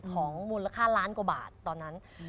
ของมูลค่าล้านกว่าบาทตอนนั้น